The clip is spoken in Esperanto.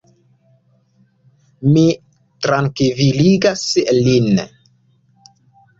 Mi trankviligas lin.